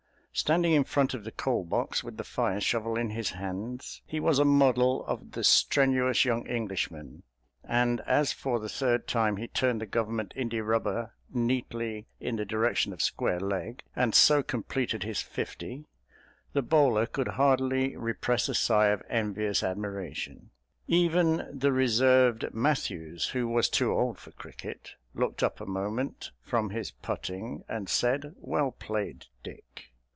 Standing in front of the coal box with the fire shovel in his hands he was a model of the strenuous young Englishman; and as for the third time he turned the Government india rubber neatly in the direction of square leg and so completed his fifty the bowler could hardly repress a sigh of envious admiration. Even the reserved Matthews, who was too old for cricket, looked up a moment from his putting and said, "Well played, Dick!"